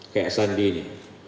kayak sandi ini